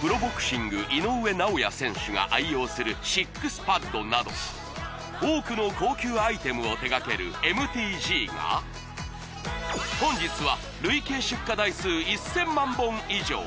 プロボクシング井上尚弥選手が愛用するＳＩＸＰＡＤなど多くの高級アイテムを手がけるＭＴＧが本日は累計出荷台数１０００万本以上！